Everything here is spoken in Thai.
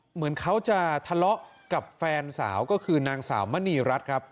เหมือนเขาจะทะเลาะกับแฟนสาวก็คือนางสาวมณีรัฐครับ